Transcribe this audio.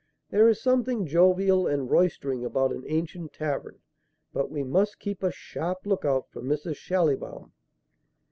There is something jovial and roystering about an ancient tavern; but we must keep a sharp lookout for Mrs. Schallibaum."